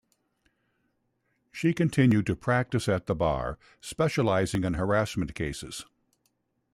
She continued to practice at the Bar, specialising in harassment cases.